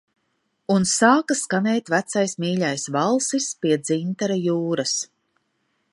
"Un sāka skanēt vecais mīļais valsis "Pie Dzintara jūras"."